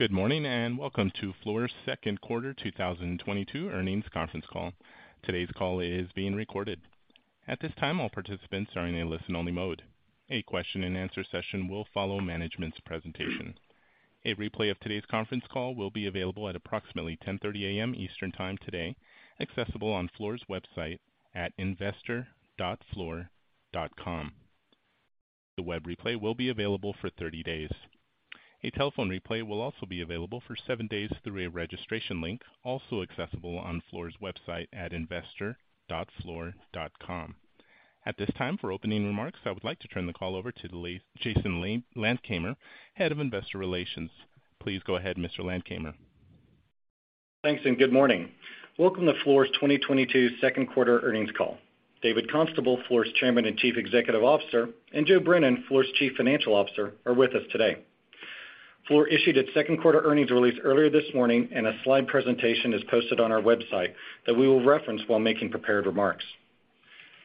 Good morning, and welcome to Fluor's Q2 2022 earnings conference call. Today's call is being recorded. At this time, all participants are in a listen-only mode. A question-and-answer session will follow management's presentation. A replay of today's conference call will be available at approximately 10:30 A.M. Eastern Time today, accessible on Fluor's website at investor.fluor.com. The web replay will be available for 30 days. A telephone replay will also be available for seven days through a registration link, also accessible on Fluor's website at investor.fluor.com. At this time, for opening remarks, I would like to turn the call over to Jason Landkamer, Head of Investor Relations. Please go ahead, Mr. Landkamer. Thanks, and good morning. Welcome to Fluor's 2022 Q2 earnings call. David Constable, Fluor's Chairman and Chief Executive Officer, and Joe Brennan, Fluor's Chief Financial Officer, are with us today. Fluor issued its Q2 earnings release earlier this morning, and a slide presentation is posted on our website that we will reference while making prepared remarks.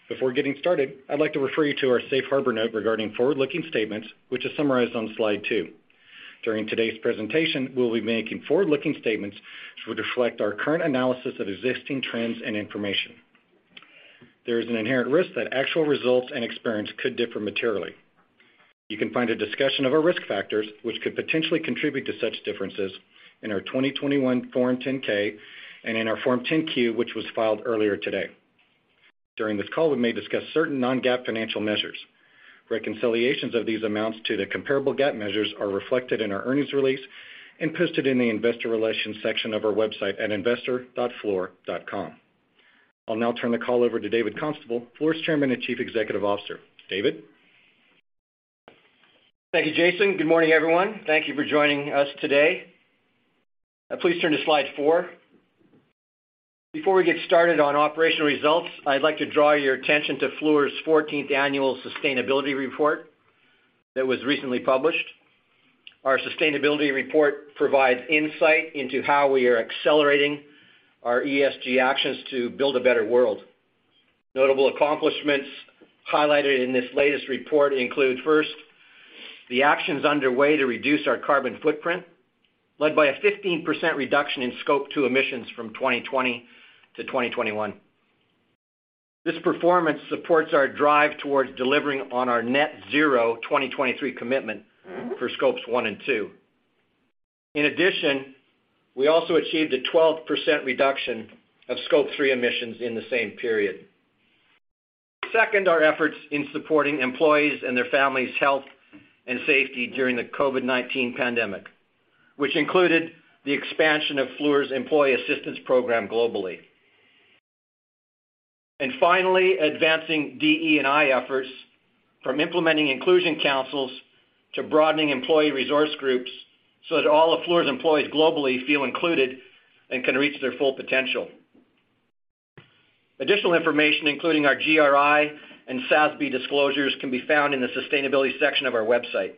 Before getting started, I'd like to refer you to our Safe Harbor note regarding forward-looking statements, which is summarized on slide two. During today's presentation, we'll be making forward-looking statements which reflect our current analysis of existing trends and information. There is an inherent risk that actual results and experience could differ materially. You can find a discussion of our risk factors, which could potentially contribute to such differences, in our 2021 Form 10-K and in our Form 10-Q, which was filed earlier today. During this call, we may discuss certain non-GAAP financial measures. Reconciliations of these amounts to the comparable GAAP measures are reflected in our earnings release and posted in the investor relations section of our website at investor.fluor.com. I'll now turn the call over to David Constable, Fluor's Chairman and Chief Executive Officer. David? Thank you, Jason. Good morning, everyone. Thank you for joining us today. Please turn to slide four. Before we get started on operational results, I'd like to draw your attention to Fluor's 14th annual sustainability report that was recently published. Our sustainability report provides insight into how we are accelerating our ESG actions to build a better world. Notable accomplishments highlighted in this latest report include, first, the actions underway to reduce our carbon footprint, led by a 15% reduction in Scope 2 emissions from 2020 to 2021. This performance supports our drive towards delivering on our net zero 2023 commitment for Scopes 1 and 2. In addition, we also achieved a 12% reduction of Scope 3 emissions in the same period. Second, our efforts in supporting employees and their families' health and safety during the COVID-19 pandemic, which included the expansion of Fluor's employee assistance program globally. Finally, advancing DE&I efforts from implementing inclusion councils to broadening employee resource groups so that all of Fluor's employees globally feel included and can reach their full potential. Additional information, including our GRI and SASB disclosures, can be found in the sustainability section of our website.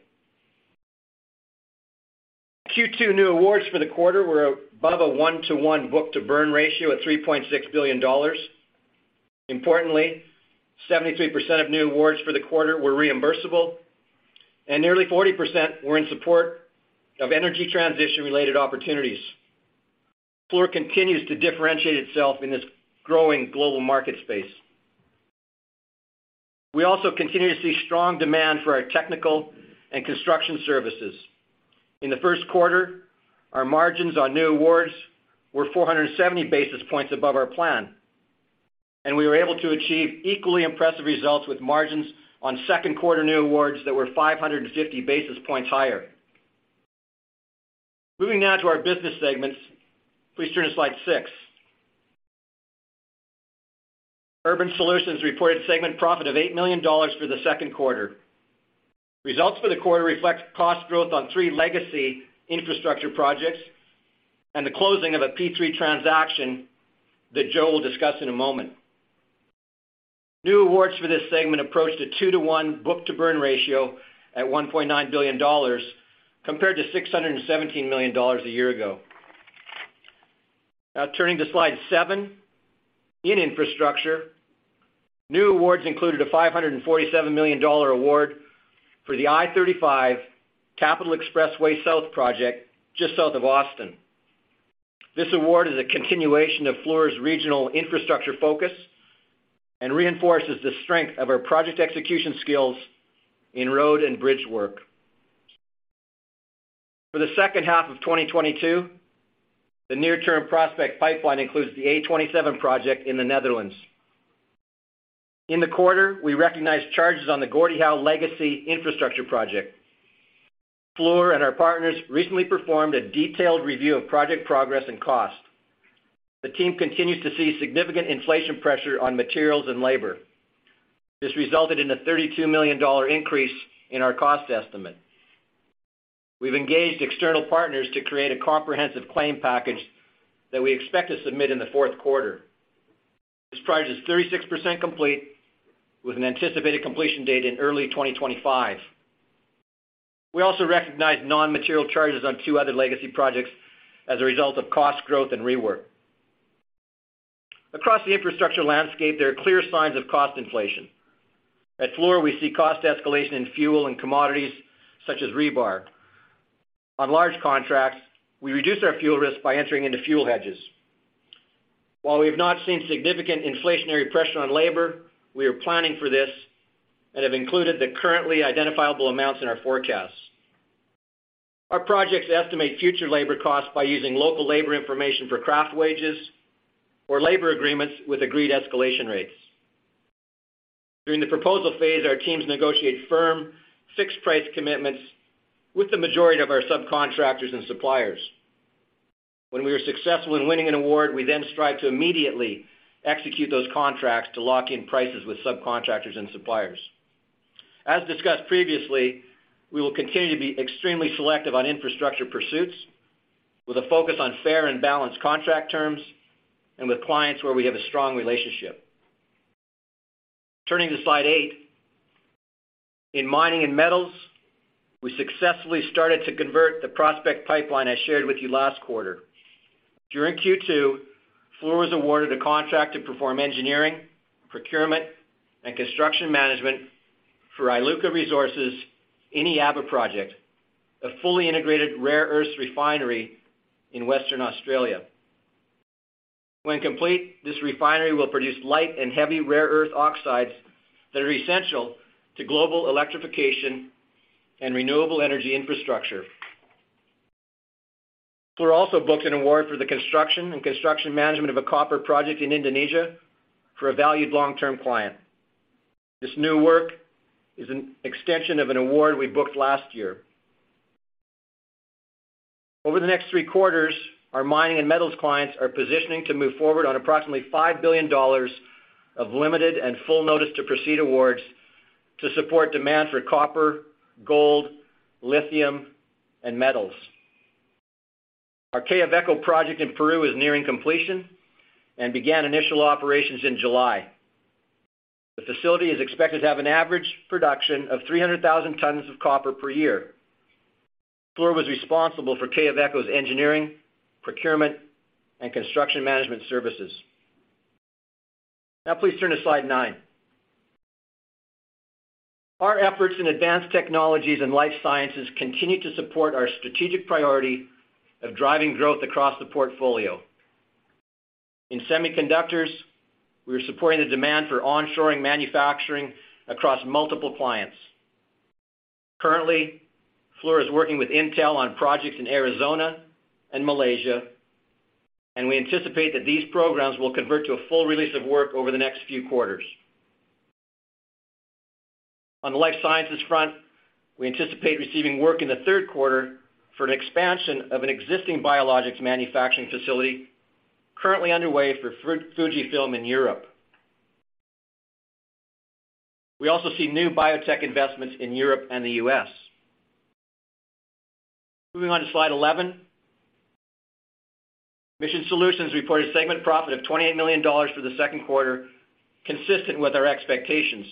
Q2 new awards for the quarter were above a one to one book-to-burn ratio at $3.6 billion. Importantly, 73% of new awards for the quarter were reimbursable, and nearly 40% were in support of energy transition-related opportunities. Fluor continues to differentiate itself in this growing global market space. We also continue to see strong demand for our technical and construction services. In the Q1, our margins on new awards were 470 basis points above our plan, and we were able to achieve equally impressive results with margins on Q2 new awards that were 550 basis points higher. Moving now to our business segments. Please turn to slide six. Urban Solutions reported segment profit of $8 million for the Q2. Results for the quarter reflect cost growth on three legacy infrastructure projects and the closing of a P3 transaction that Joe will discuss in a moment. New awards for this segment approached a two to one book-to-burn ratio at $1.9 billion, compared to $617 million a year ago. Now turning to slide seven. In infrastructure, new awards included a $547 million award for the I-35 Capital Express way South project just south of Austin. This award is a continuation of Fluor's regional infrastructure focus and reinforces the strength of our project execution skills in road and bridge work. For the second half of 2022, the near-term prospect pipeline includes the A27 project in the Netherlands. In the quarter, we recognized charges on the Gordie Howe Legacy infrastructure project. Fluor and our partners recently performed a detailed review of project progress and cost. The team continues to see significant inflation pressure on materials and labor. This resulted in a $32 million increase in our cost estimate. We've engaged external partners to create a comprehensive claim package that we expect to submit in the Q4. This project is 36% complete with an anticipated completion date in early 2025. We also recognized non-material charges on two other legacy projects as a result of cost growth and rework. Across the infrastructure landscape, there are clear signs of cost inflation. At Fluor, we see cost escalation in fuel and commodities such as rebar. On large contracts, we reduce our fuel risk by entering into fuel hedges. While we have not seen significant inflationary pressure on labor, we are planning for this and have included the currently identifiable amounts in our forecasts. Our projects estimate future labor costs by using local labor information for craft wages or labor agreements with agreed escalation rates. During the proposal phase, our teams negotiate firm fixed price commitments with the majority of our subcontractors and suppliers. When we are successful in winning an award, we then strive to immediately execute those contracts to lock in prices with subcontractors and suppliers. As discussed previously, we will continue to be extremely selective on infrastructure pursuits with a focus on fair and balanced contract terms and with clients where we have a strong relationship. Turning to slide eight. In mining and metals, we successfully started to convert the prospect pipeline I shared with you last quarter. During Q2, Fluor was awarded a contract to perform engineering, procurement, and construction management for Iluka Resources' Eneabba project, a fully integrated rare earths refinery in Western Australia. When complete, this refinery will produce light and heavy rare earth oxides that are essential to global electrification and renewable energy infrastructure. Fluor also booked an award for the construction and construction management of a copper project in Indonesia for a valued long-term client. This new work is an extension of an award we booked last year. Over the next three quarters, our mining and metals clients are positioning to move forward on approximately $5 billion of limited and full notice to proceed awards to support demand for copper, gold, lithium, and metals. Our Quellaveco project in Peru is nearing completion and began initial operations in July. The facility is expected to have an average production of 300,000 tons of copper per year. Fluor was responsible for Quellaveco's engineering, procurement, and construction management services. Now, please turn to slide nine Our efforts in advanced technologies and life sciences continue to support our strategic priority of driving growth across the portfolio. In semiconductors, we are supporting the demand for onshoring manufacturing across multiple clients. Currently, Fluor is working with Intel on projects in Arizona and Malaysia, and we anticipate that these programs will convert to a full release of work over the next few quarters. On the life sciences front, we anticipate receiving work in the third quarter for an expansion of an existing biologics manufacturing facility currently underway for Fujifilm in Europe. We also see new biotech investments in Europe and the U.S. Moving on to slide 11. Mission Solutions reported segment profit of $28 million for the Q2, consistent with our expectations.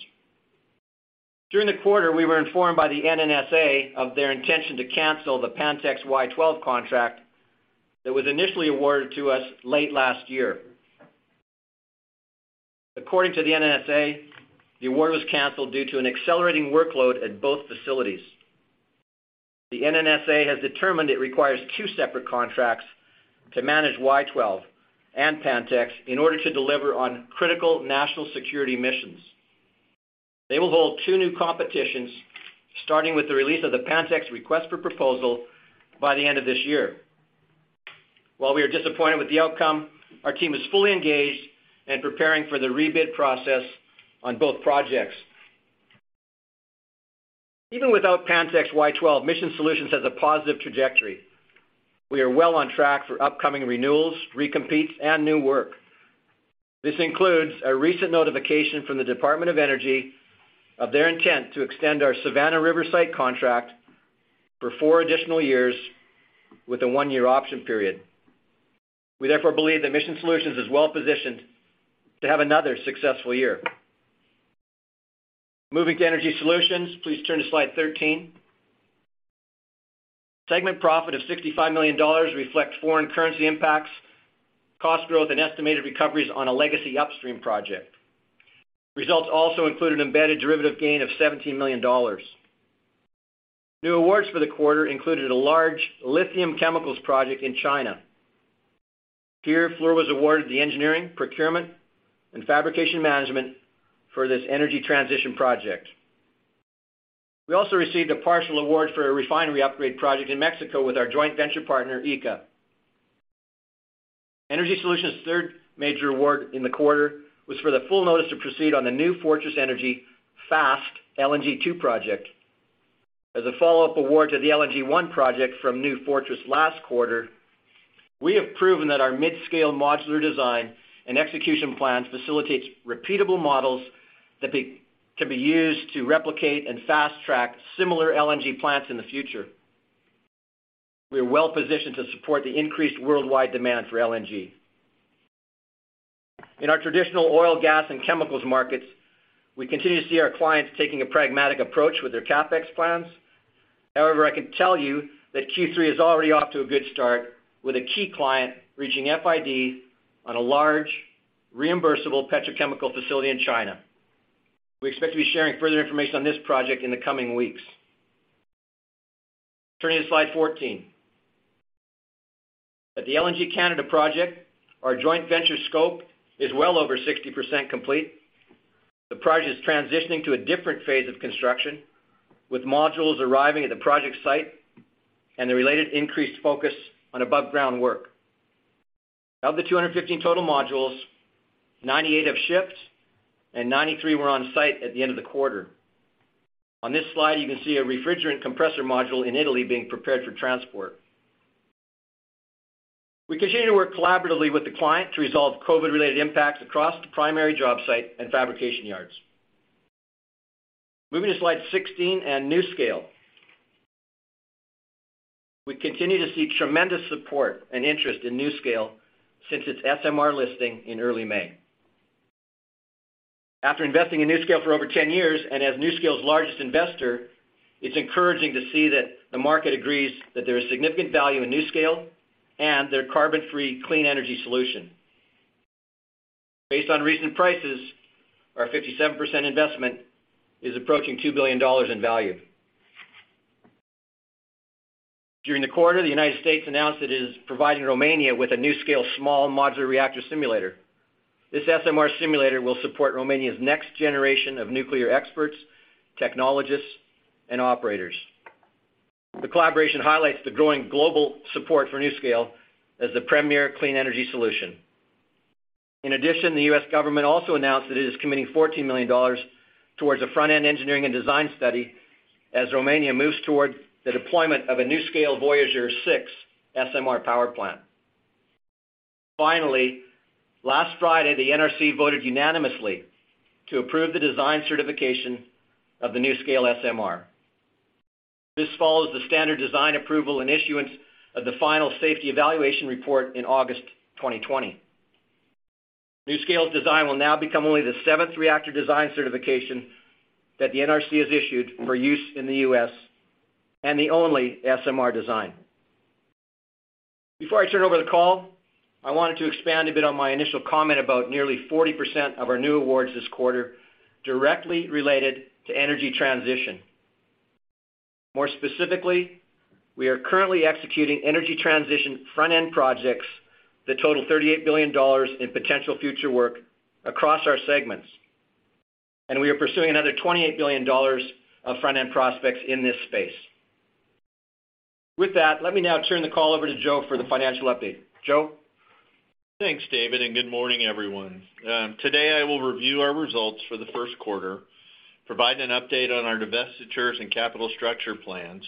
During the quarter, we were informed by the NNSA of their intention to cancel the Pantex Y-12 contract that was initially awarded to us late last year. According to the NNSA, the award was canceled due to an accelerating workload at both facilities. The NNSA has determined it requires two separate contracts to manage Y-12 and Pantex in order to deliver on critical national security missions. They will hold two new competitions, starting with the release of the Pantex request for proposal by the end of this year. While we are disappointed with the outcome, our team is fully engaged and preparing for the rebid process on both projects. Even without Pantex Y-12, Mission Solutions has a positive trajectory. We are well on track for upcoming renewals, recompetes, and new work. This includes a recent notification from the Department of Energy of their intent to extend our Savannah River Site contract for four additional years with a one year option period. We therefore believe that Mission Solutions is well positioned to have another successful year. Moving to Energy Solutions, please turn to slide 13. Segment profit of $65 million reflect foreign currency impacts, cost growth, and estimated recoveries on a legacy upstream project. Results also include an embedded derivative gain of $17 million. New awards for the quarter included a large lithium chemicals project in China. Fluor was awarded the engineering, procurement, and fabrication management for this energy transition project. We also received a partial award for a refinery upgrade project in Mexico with our joint venture partner, ICA. Energy Solutions' third major award in the quarter was for the full notice to proceed on the New Fortress Energy Fast LNG 2 project. As a follow-up award to the LNG 1 project from New Fortress last quarter, we have proven that our mid-scale modular design and execution plans facilitates repeatable models that can be used to replicate and fast-track similar LNG plants in the future. We are well positioned to support the increased worldwide demand for LNG. In our traditional oil, gas, and chemicals markets, we continue to see our clients taking a pragmatic approach with their CapEx plans. However, I can tell you that Q3 is already off to a good start, with a key client reaching FID on a large reimbursable petrochemical facility in China. We expect to be sharing further information on this project in the coming weeks. Turning to slide 14. At the LNG Canada project, our joint venture scope is well over 60% complete. The project is transitioning to a different phase of construction, with modules arriving at the project site and the related increased focus on above ground work. Of the 215 total modules, 98 have shipped and 93 were on site at the end of the quarter. On this slide, you can see a refrigerant compressor module in Italy being prepared for transport. We continue to work collaboratively with the client to resolve COVID-related impacts across the primary job site and fabrication yards. Moving to slide 16 and NuScale. We continue to see tremendous support and interest in NuScale since its SMR listing in early May. After investing in NuScale for over 10 years and as NuScale's largest investor, it's encouraging to see that the market agrees that there is significant value in NuScale and their carbon-free clean energy solution. Based on recent prices, our 57% investment is approaching $2 billion in value. During the quarter, the United States announced that it is providing Romania with a NuScale small modular reactor simulator. This SMR simulator will support Romania's next generation of nuclear experts, technologists, and operators. The collaboration highlights the growing global support for NuScale as the premier clean energy solution. In addition, the U.S. government also announced that it is committing $14 million towards a front-end engineering and design study as Romania moves toward the deployment of a NuScale VOYGR SMR power plant. Finally, last Friday, the NRC voted unanimously to approve the design certification of the NuScale SMR. This follows the standard design approval and issuance of the final safety evaluation report in August 2020. NuScale's design will now become only the seventh reactor design certification that the NRC has issued for use in the U.S., and the only SMR design. Before I turn over the call, I wanted to expand a bit on my initial comment about nearly 40% of our new awards this quarter directly related to energy transition. More specifically, we are currently executing energy transition front-end projects that total $38 billion in potential future work across our segments, and we are pursuing another $28 billion of front-end prospects in this space. With that, let me now turn the call over to Joe for the financial update. Joe? Thanks, David, and good morning, everyone. Today, I will review our results for the Q1, provide an update on our divestitures and capital structure plans,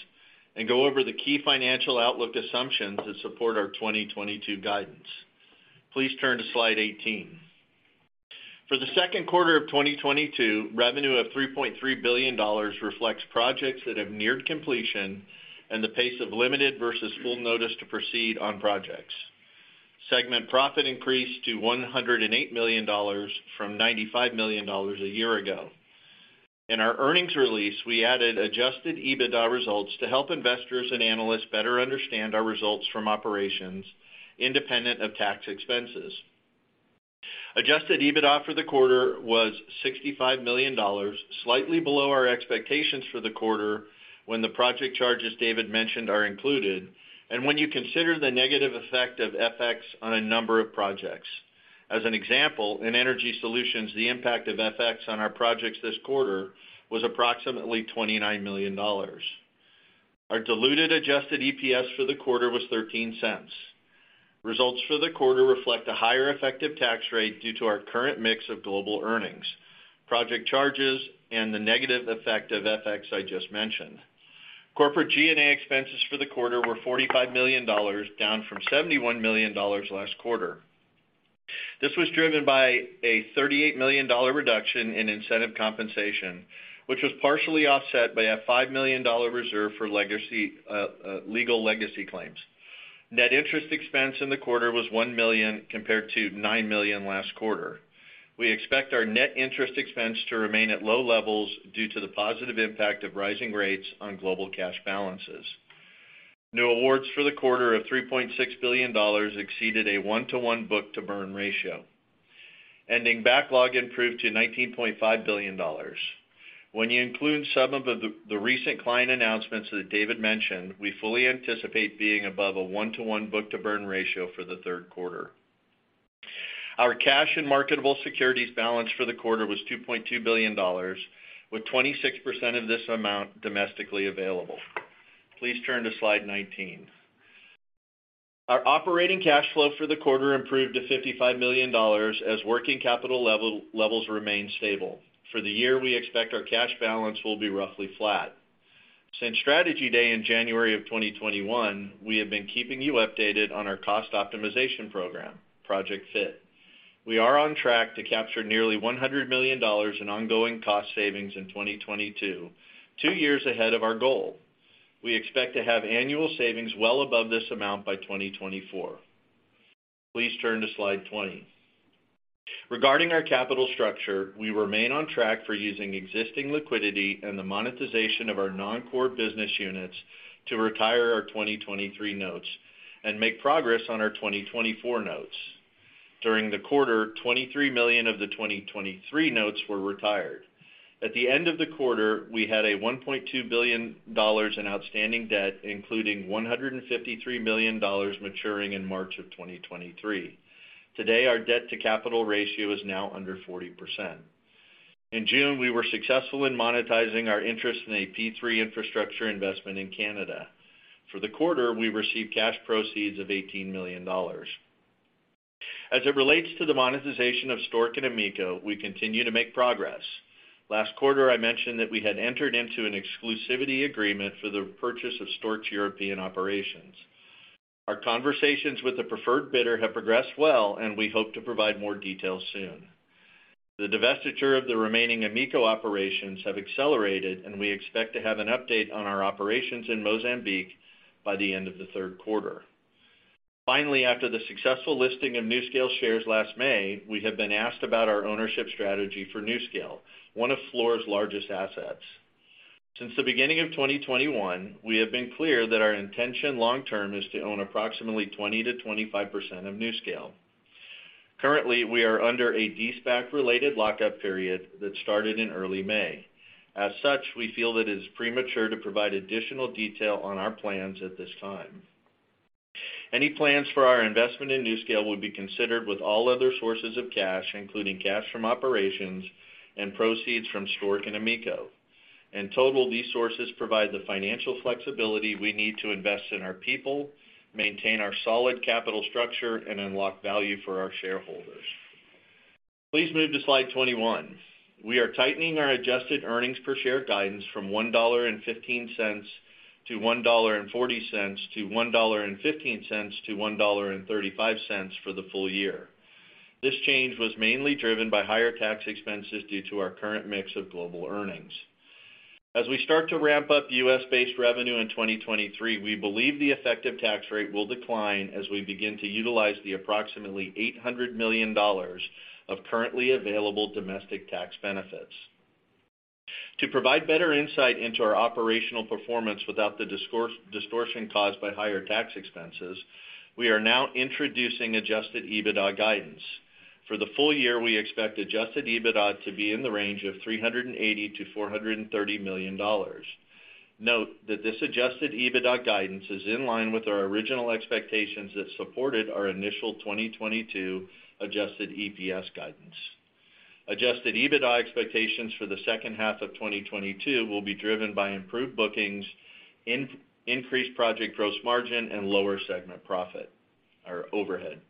and go over the key financial outlook assumptions that support our 2022 guidance. Please turn to slide 18. For the Q2 of 2022, revenue of $3.3 billion reflects projects that have neared completion and the pace of limited versus full notice to proceed on projects. Segment profit increased to $108 million from $95 million a year ago. In our earnings release, we added adjusted EBITDA results to help investors and analysts better understand our results from operations independent of tax expenses. Adjusted EBITDA for the quarter was $65 million, slightly below our expectations for the quarter when the project charges David mentioned are included and when you consider the negative effect of FX on a number of projects. As an example, in Energy Solutions, the impact of FX on our projects this quarter was approximately $29 million. Our diluted adjusted EPS for the quarter was $0.13. Results for the quarter reflect a higher effective tax rate due to our current mix of global earnings, project charges, and the negative effect of FX I just mentioned. Corporate G&A expenses for the quarter were $45 million, down from $71 million last quarter. This was driven by a $38 million reduction in incentive compensation, which was partially offset by a $5 million reserve for legacy legal legacy claims. Net interest expense in the quarter was $1 million, compared to $9 million last quarter. We expect our net interest expense to remain at low levels due to the positive impact of rising rates on global cash balances. New awards for the quarter of $3.6 billion exceeded a one to one book-to-burn ratio. Ending backlog improved to $19.5 billion. When you include some of the recent client announcements that David mentioned, we fully anticipate being above a one to one book-to-burn ratio for the third quarter. Our cash and marketable securities balance for the quarter was $2.2 billion, with 26% of this amount domestically available. Please turn to slide 19. Our operating cash flow for the quarter improved to $55 million as working capital levels remained stable. For the year, we expect our cash balance will be roughly flat. Since Strategy Day in January 2021, we have been keeping you updated on our cost optimization program, Project F.I.T. We are on track to capture nearly $100 million in ongoing cost savings in 2022, two years ahead of our goal. We expect to have annual savings well above this amount by 2024. Please turn to slide 20. Regarding our capital structure, we remain on track for using existing liquidity and the monetization of our non-core business units to retire our 2023 notes and make progress on our 2024 notes. During the quarter, $23 million of the 2023 notes were retired. At the end of the quarter, we had $1.2 billion in outstanding debt, including $153 million maturing in March 2023. Today, our debt-to-capital ratio is now under 40%. In June, we were successful in monetizing our interest in a P3 infrastructure investment in Canada. For the quarter, we received cash proceeds of $18 million. As it relates to the monetization of Stork and AMECO, we continue to make progress. Last quarter, I mentioned that we had entered into an exclusivity agreement for the purchase of Stork's European operations. Our conversations with the preferred bidder have progressed well, and we hope to provide more details soon. The divestiture of the remaining AMECO operations have accelerated, and we expect to have an update on our operations in Mozambique by the end of the third quarter. Finally, after the successful listing of NuScale shares last May, we have been asked about our ownership strategy for NuScale, one of Fluor's largest assets. Since the beginning of 2021, we have been clear that our intention long term is to own approximately 20%-25% of NuScale. Currently, we are under a de-SPAC-related lockup period that started in early May. As such, we feel that it is premature to provide additional detail on our plans at this time. Any plans for our investment in NuScale would be considered with all other sources of cash, including cash from operations and proceeds from Stork and AMECO. In total, these sources provide the financial flexibility we need to invest in our people, maintain our solid capital structure, and unlock value for our shareholders. Please move to slide 21. We are tightening our adjusted earnings per share guidance from $1.15-$1.40 to $1.15-$1.35 for the full year. This change was mainly driven by higher tax expenses due to our current mix of global earnings. As we start to ramp up U.S.-based revenue in 2023, we believe the effective tax rate will decline as we begin to utilize the approximately $800 million of currently available domestic tax benefits. To provide better insight into our operational performance without the distortion caused by higher tax expenses, we are now introducing adjusted EBITDA guidance. For the full year, we expect adjusted EBITDA to be in the range of $380 million-$430 million. Note that this adjusted EBITDA guidance is in line with our original expectations that supported our initial 2022 adjusted EPS guidance. Adjusted EBITDA expectations for the second half of 2022 will be driven by improved bookings, increased project gross margin, and lower segment profit or overhead.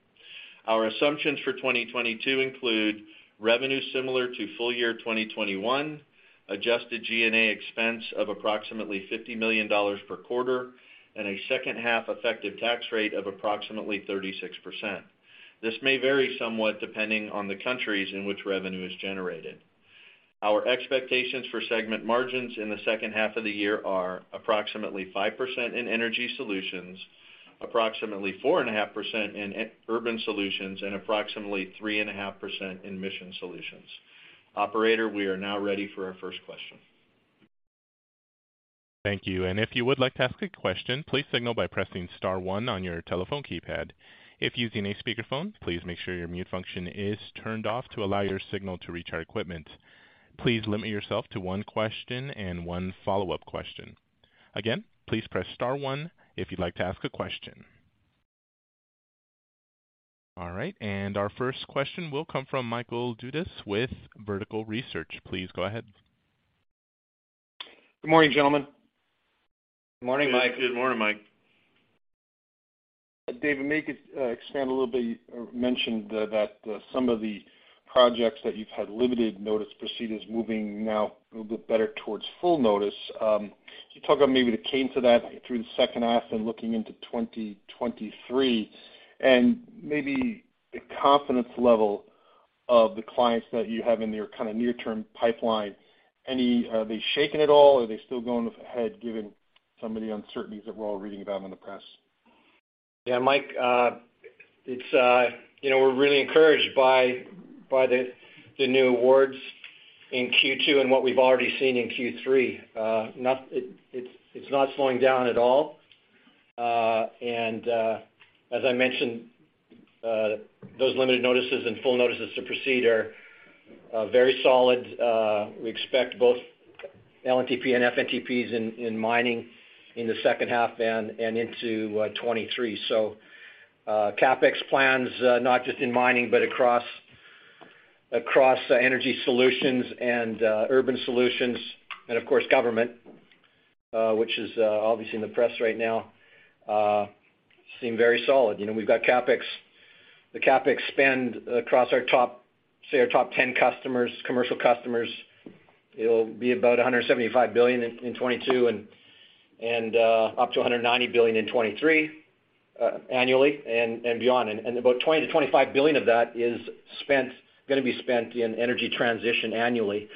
Our assumptions for 2022 include revenue similar to full year 2021, adjusted G&A expense of approximately $50 million per quarter, and a second-half effective tax rate of approximately 36%. This may vary somewhat depending on the countries in which revenue is generated. Our expectations for segment margins in the second half of the year are approximately 5% in Energy Solutions, approximately 4.5% in Urban Solutions, and approximately 3.5% in Mission Solutions. Operator, we are now ready for our first question. Thank you. If you would like to ask a question, please signal by pressing star one on your telephone keypad. If using a speakerphone, please make sure your mute function is turned off to allow your signal to reach our equipment. Please limit yourself to one question and one follow-up question. Again, please press star one if you'd like to ask a question. All right, our first question will come from Michael Dudas with Vertical Research. Please go ahead. Good morning, gentlemen. Good morning, Mike. Good morning, Mike. David, may you expand a little bit. You mentioned that some of the projects that you've had limited notice to proceed is moving now a little bit better towards full notice. Can you talk about maybe the cadence of that through the second half and looking into 2023, and maybe the confidence level of the clients that you have in your kind of near-term pipeline? Are they shaken at all, or are they still going ahead given some of the uncertainties that we're all reading about in the press? Yeah, Mike, you know, we're really encouraged by the new awards in Q2 and what we've already seen in Q3. It's not slowing down at all. As I mentioned, those limited notices and full notices to proceed are very solid. We expect both LNTP and FNTPs in mining in the second half and into 2023. CapEx plans, not just in mining, but across Energy Solutions and Urban Solutions and, of course, government, which is obviously in the press right now, seem very solid. You know, we've got CapEx. The CapEx spend across our top, say, our top 10 customers, commercial customers, it'll be about $175 billion in 2022 and up to $190 billion in 2023 annually and beyond. About $20 billion-$25 billion of that is gonna be spent in energy transition annually,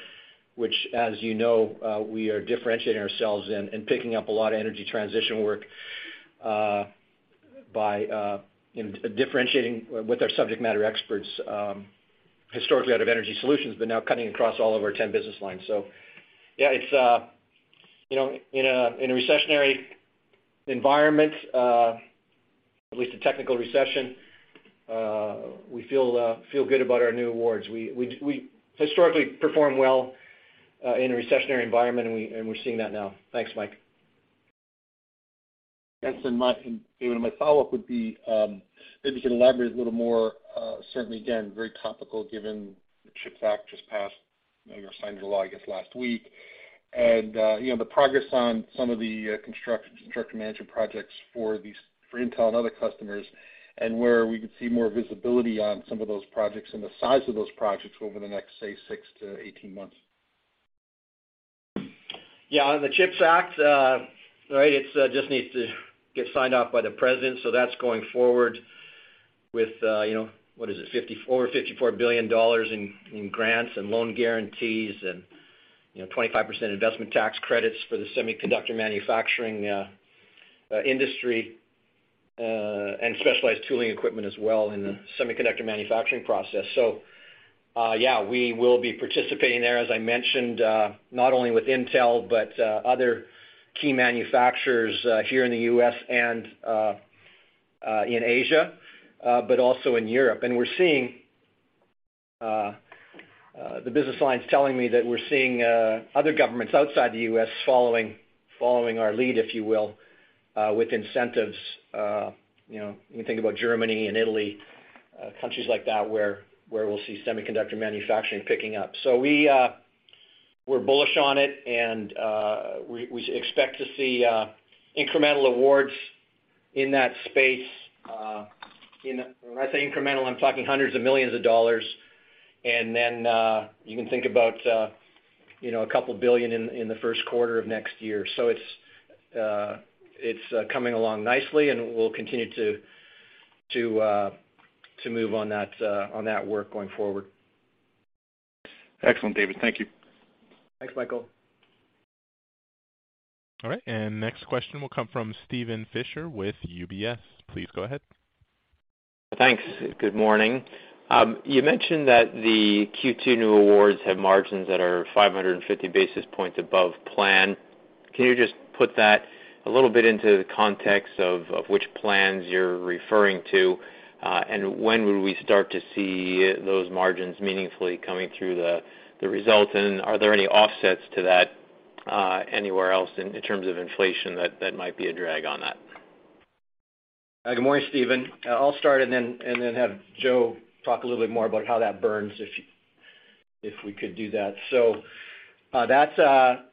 which, as you know, we are differentiating ourselves in and picking up a lot of energy transition work. In differentiating with our subject matter experts, historically out of Energy Solutions, but now cutting across all of our 10 business lines. Yeah, it's you know, in a recessionary environment, at least a technical recession, we feel good about our new awards. We historically perform well in a recessionary environment, and we're seeing that now. Thanks, Mike. Yes. David, my follow-up would be if you can elaborate a little more, certainly again, very topical given the CHIPS Act just passed, you know, signed into law, I guess, last week. You know, the progress on some of the construction management projects for Intel and other customers and where we could see more visibility on some of those projects and the size of those projects over the next, say, six to 18 months. Yeah. On the CHIPS Act, right, it's just needs to get signed off by the president, so that's going forward with, you know, what is it? $54 billion in grants and loan guarantees and, you know, 25% investment tax credits for the semiconductor manufacturing industry, and specialized tooling equipment as well in the semiconductor manufacturing process. So, yeah, we will be participating there, as I mentioned, not only with Intel, but other key manufacturers here in the U.S. and in Asia, but also in Europe. We're seeing the business lines telling me that we're seeing other governments outside the U.S. following our lead, if you will, with incentives. You know, when you think about Germany and Italy, countries like that where we'll see semiconductor manufacturing picking up. We're bullish on it and we expect to see incremental awards in that space. When I say incremental, I'm talking hundreds of millions. You can think about, you know, a couple billion in the first quarter of next year. It's coming along nicely and we'll continue to move on that work going forward. Excellent, David. Thank you. Thanks, Michael. All right, and next question will come from Steven Fisher with UBS. Please go ahead. Thanks. Good morning. You mentioned that the Q2 new awards have margins that are 550 basis points above plan. Can you just put that a little bit into the context of which plans you're referring to? And when would we start to see those margins meaningfully coming through the results? And are there any offsets to that anywhere else in terms of inflation that might be a drag on that? Good morning, Steven. I'll start and then have Joe talk a little bit more about how that burns if we could do that. That's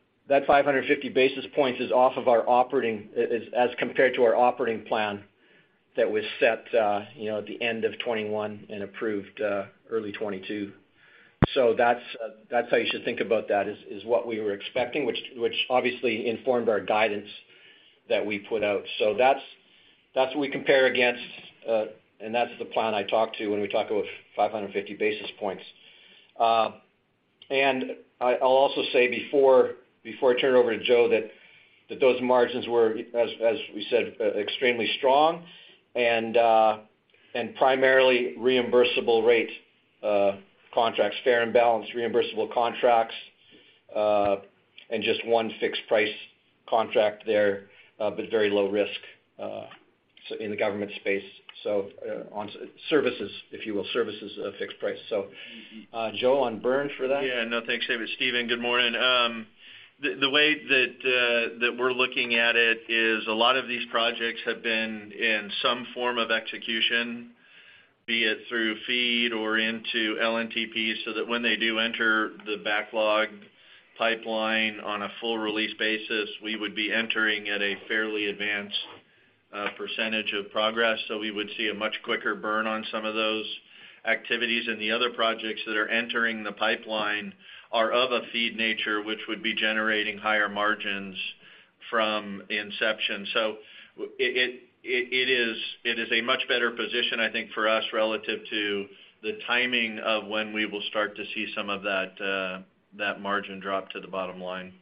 550 basis points off of our operating as compared to our operating plan that was set, you know, at the end of 2021 and approved early 2022. That's how you should think about that is what we were expecting, which obviously informed our guidance that we put out. That's what we compare against, and that's the plan I talked to when we talk about 550 basis points. I'll also say before I turn it over to Joe that those margins were, as we said, extremely strong and primarily reimbursable rate contracts, fair and balanced reimbursable contracts, and just one fixed price contract there, but very low risk so in the government space. On services, if you will, services are fixed price. Joe, on book-to-burn for that. Yeah. No, thanks, David. Steven, good morning. The way that we're looking at it is a lot of these projects have been in some form of execution, be it through feed or into LNTPs, so that when they do enter the backlog pipeline on a full release basis, we would be entering at a fairly advanced percentage of progress. We would see a much quicker burn on some of those activities. The other projects that are entering the pipeline are of a feed nature, which would be generating higher margins from inception. It is a much better position, I think, for us, relative to the timing of when we will start to see some of that margin drop to the bottom line.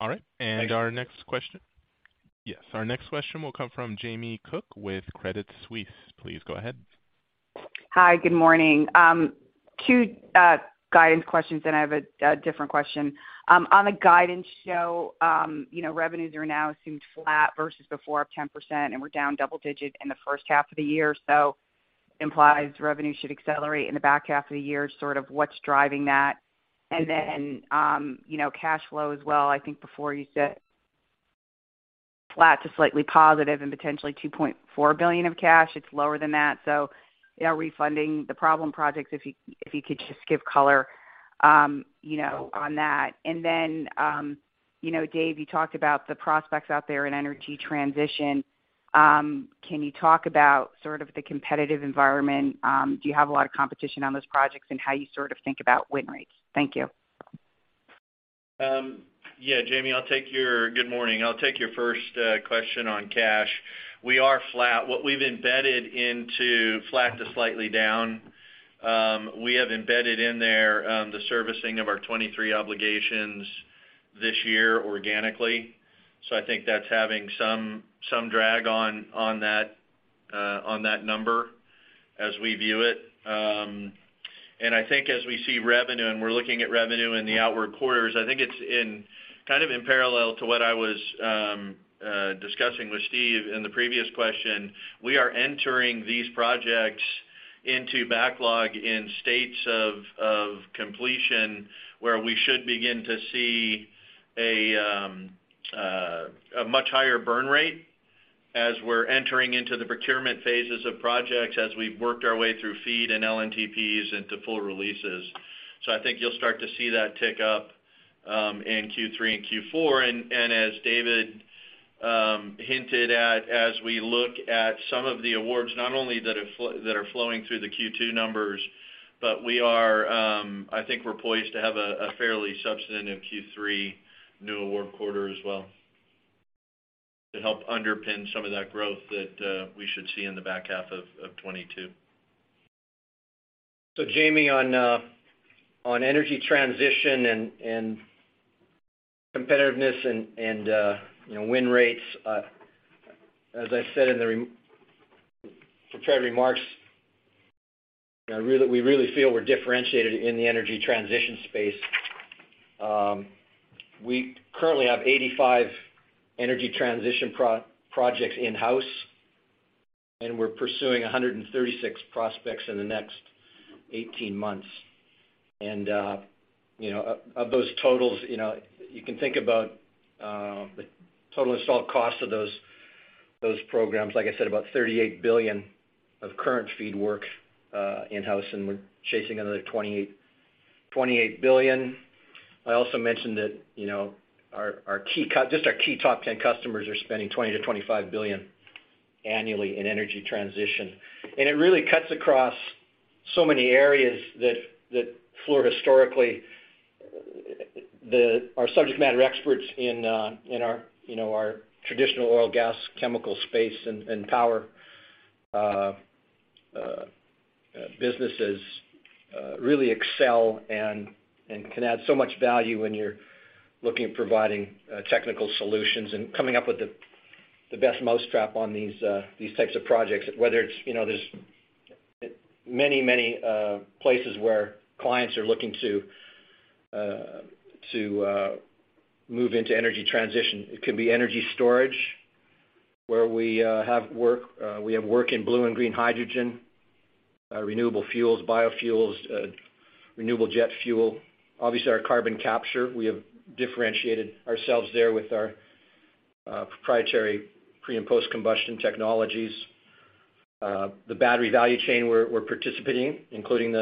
All right. Thanks. Our next question. Yes, our next question will come from Jamie Cook with Credit Suisse. Please go ahead. Hi. Good morning. Two guidance questions, then I have a different question. On the guidance, so you know, revenues are now assumed flat versus before up 10%, and we're down double digits in the first half of the year. Implies revenue should accelerate in the back half of the year, sort of what's driving that. Then, you know, cash flow as well. I think before you said flat to slightly positive and potentially $2.4 billion of cash, it's lower than that. You know, funding the problem projects, if you could just give color, you know, on that. Then, you know, Dave, you talked about the prospects out there in energy transition. Can you talk about sort of the competitive environment? Do you have a lot of competition on those projects and how you sort of think about win rates? Thank you. Yeah, Jamie, good morning. I'll take your first question on cash. We are flat. What we've embedded into flat to slightly down, we have embedded in there the servicing of our 2023 obligations this year organically. I think that's having some drag on that number as we view it. I think as we see revenue, and we're looking at revenue in the outer quarters, I think it's kind of in parallel to what I was discussing with Steve in the previous question, we are entering these projects into backlog in stages of completion, where we should begin to see a much higher burn rate as we're entering into the procurement phases of projects, as we've worked our way through FEED and LNTPs into full releases. I think you'll start to see that tick up in Q3 and Q4. As David hinted at, as we look at some of the awards, not only that are flowing through the Q2 numbers, but we are, I think we're poised to have a fairly substantive Q3 new award quarter as well to help underpin some of that growth that we should see in the back half of 2022. Jamie, on energy transition and competitiveness and, you know, win rates, as I said in the prepared remarks, you know, really we really feel we're differentiated in the energy transition space. We currently have 85 energy transition projects in-house, and we're pursuing 136 prospects in the next 18 months. You know, of those totals, you know, you can think about the total installed cost of those programs, like I said, about $38 billion of current FEED work in-house, and we're chasing another $28 billion. I also mentioned that, you know, our key top 10 customers are spending $20 billion-$25 billion annually in energy transition. It really cuts across so many areas that Fluor historically, the Our subject matter experts in our traditional oil and gas, chemical space and power businesses really excel and can add so much value when you're looking at providing technical solutions and coming up with the best mousetrap on these types of projects, whether it's, you know, there's many places where clients are looking to move into energy transition. It could be energy storage, where we have work. We have work in blue and green hydrogen, renewable fuels, biofuels, renewable jet fuel. Obviously our carbon capture, we have differentiated ourselves there with our proprietary pre- and post-combustion technologies. The battery value chain we're participating, including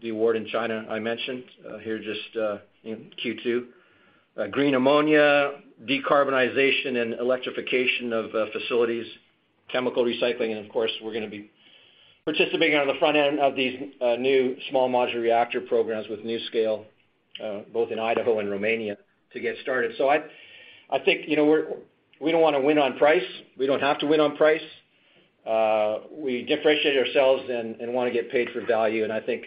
the award in China I mentioned here just in Q2. Green ammonia, decarbonization and electrification of facilities, chemical recycling, and of course, we're gonna be participating on the front end of these new small modular reactor programs with NuScale, both in Idaho and Romania to get started. I think, you know, we don't wanna win on price. We don't have to win on price. We differentiate ourselves and wanna get paid for value. I think,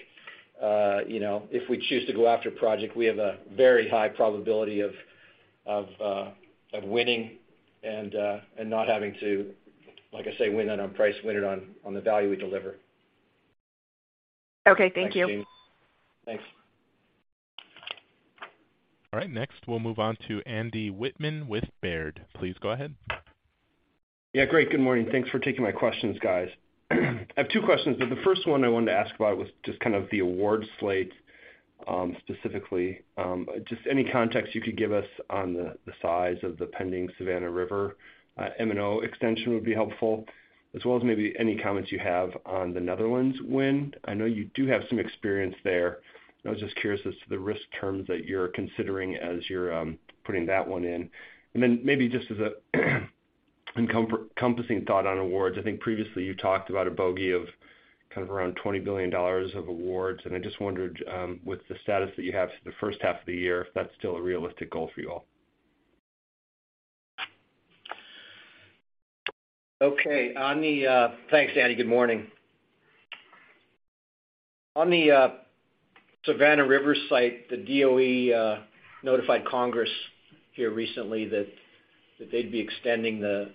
you know, if we choose to go after a project, we have a very high probability of winning and not having to, like I say, win it on price, win it on the value we deliver. Okay. Thank you. Thanks, Jamie. Thanks. All right. Next, we'll move on to Andy Wittmann with Baird. Please go ahead. Yeah, great. Good morning. Thanks for taking my questions, guys. I have two questions, but the first one I wanted to ask about was just kind of the award slate, specifically. Just any context you could give us on the size of the pending Savannah River M&O extension would be helpful, as well as maybe any comments you have on the Netherlands wind. I know you do have some experience there. I was just curious as to the risk terms that you're considering as you're putting that one in. Then maybe just as an encompassing thought on awards, I think previously you talked about a bogey of kind of around $20 billion of awards. I just wondered, with the status that you have for the first half of the year, if that's still a realistic goal for you all. Okay. Thanks, Andy. Good morning. On the Savannah River Site, the DOE notified Congress here recently that they'd be extending the